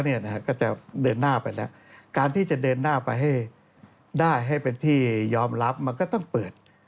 อันนี้ก็เป็นเรื่องปกรณ์แต่ที่มันทำให้ชุมลดแมพขึ้น